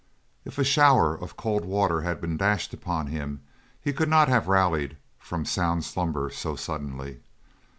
If a shower of cold water had been dashed upon him he could not have rallied from sound slumber so suddenly.